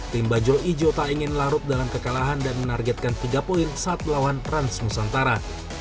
tim bajul ijo tak ingin larut dalam kekalahan dan menargetkan tiga poin saat melawan rans nusantara